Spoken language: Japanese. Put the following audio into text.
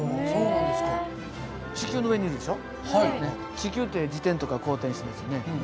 地球って自転とか公転していますよね。